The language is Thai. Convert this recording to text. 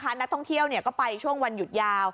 นักท่องเที่ยวก็ไปช่วงวันหยุดยาว